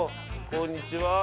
こんにちは。